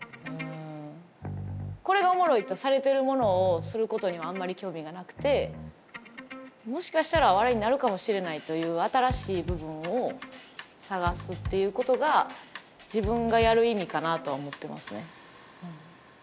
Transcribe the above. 「これがおもろい」とされてるものをすることにはあんまり興味がなくてもしかしたら笑いになるかもしれないという新しい部分を探すっていうことが自分がやる意味かなとは思ってますね。